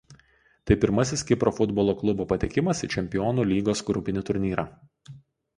Tai pirmasis Kipro futbolo klubo patekimas į Čempionų lygos grupinį turnyrą.